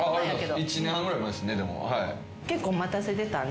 １年半ぐらい前ですねでも。